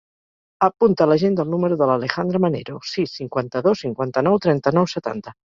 Apunta a l'agenda el número de l'Alejandra Manero: sis, cinquanta-dos, cinquanta-nou, trenta-nou, setanta.